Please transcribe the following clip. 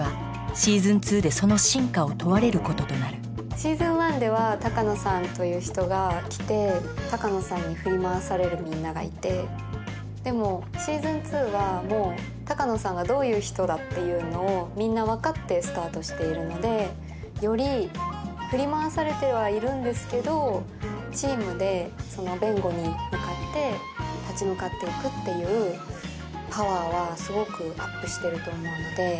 「Ｓｅａｓｏｎ１」では鷹野さんという人が来て鷹野さんに振り回されるみんながいてでも「Ｓｅａｓｏｎ２」はもう鷹野さんがどういう人だっていうのをみんな分かってスタートしているのでより振り回されてはいるんですけどチームでその弁護に向かって立ち向かっていくっていうパワーはすごくアップしてると思うので。